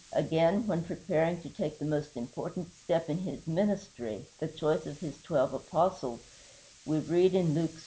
Again, when preparing to take the most important step in his ministry, the choice of his twelve Apostles, we read in Luke vi.